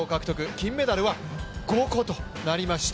金メダルは５個となりました。